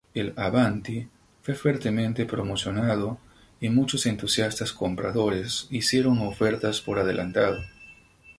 El Avanti fue fuertemente promocionado y muchos entusiastas compradores hicieron ofertas por adelantado.